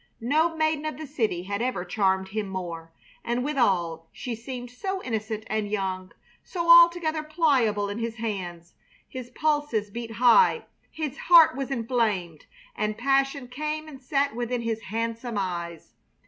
No maiden of the city had ever charmed him more, and withal she seemed so innocent and young, so altogether pliable in his hands. His pulses beat high, his heart was inflamed, and passion came and sat within his handsome eyes.